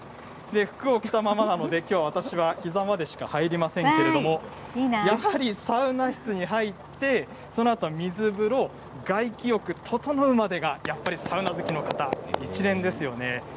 服を着たままなのできょう私は膝までしか入りませんけれどやはりサウナ室に入ってその後は水風呂外気浴、ととのうまでがサウナ好きの方、一連ですよね。